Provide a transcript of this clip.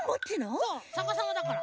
そうさかさまだから。